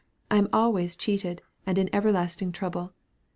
I am always cheated, and in everlasting trouble.